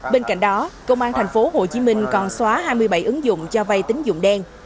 bên cạnh đó công an tp hcm còn xóa hai mươi bảy ứng dụng cho vay tín dụng đen